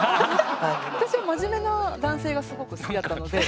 私は真面目な男性がすごく好きだったので。